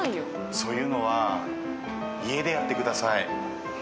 そういうのは家でやってください。